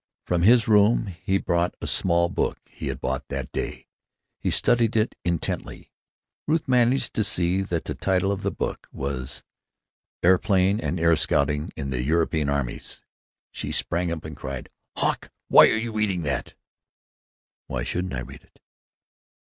From his room he brought a small book he had bought that day. He studied it intently. Ruth managed to see that the title of the book was Aeroplanes and Air Scouting in the European Armies. She sprang up, cried: "Hawk! Why are you reading that?" "Why shouldn't I read it?"